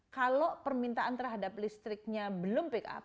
kalau permintaan terhadap listriknya belum pick up